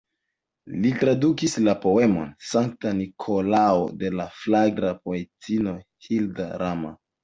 Li tradukis la poemon "Sankta Nikolao" de la flandra poetino Hilda Ram.